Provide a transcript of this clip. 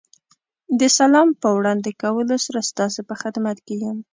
د سلام په وړاندې کولو سره ستاسې په خدمت کې یم.